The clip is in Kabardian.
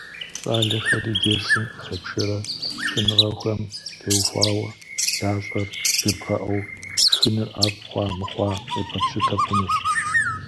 Щӏалэхэри дерсым къыхэпшэрэ шхыныгъуэхэм теухуауэ ящӏэр жебгъэӏэу, шхыныр ӏэфӏ хъуа-мыхъуа къебгъэпщытэ хъунущ.